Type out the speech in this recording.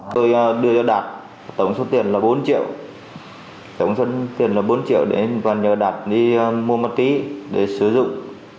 tôi đưa cho đạt tổng số tiền là bốn triệu tổng số tiền là bốn triệu đến và nhờ đạt đi mua ma túy để sử dụng